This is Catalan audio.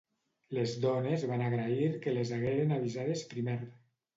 Les dones van agrair que les hagueren avisades primer.